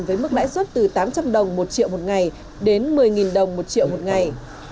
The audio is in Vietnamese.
với mức lãi suất từ tám trăm linh đồng một triệu một ngày đến một mươi đồng một triệu một ngày